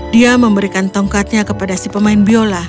dia memberikan tongkatnya kepada si pemain biola